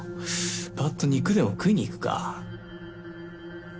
パっと肉でも食いに行くか。